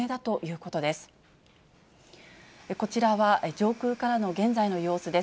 こちらは上空からの現在の様子です。